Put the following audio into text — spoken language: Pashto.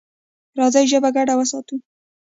راځئ ژبه ګډه وساتو.